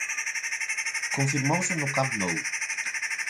Confirmouse no Camp Nou.